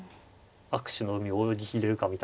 悪手の海を泳ぎ切れるかみたいな。